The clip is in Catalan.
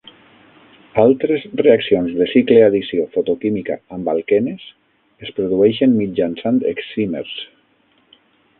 Altres reaccions de cicle-addició fotoquímica amb alquenes es produeixen mitjançant excímers.